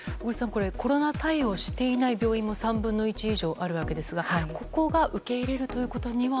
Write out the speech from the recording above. コロナ対応していない病院も３分の１以上あるわけですがここが受け入れるということは。